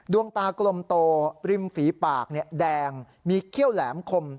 ดวงตากลมโตริมฝีปากแดงมีเขี้ยวแหลมคม